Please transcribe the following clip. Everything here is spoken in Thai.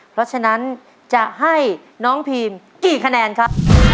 เพราะฉะนั้นจะให้น้องพีมกี่คะแนนครับ